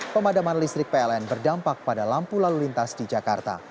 pemadaman listrik pln berdampak pada lampu lalu lintas di jakarta